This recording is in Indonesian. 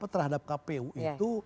terhadap kpu itu